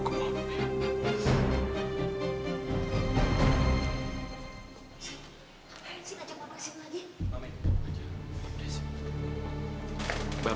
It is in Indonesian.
apaan sih ngajak mama kesini lagi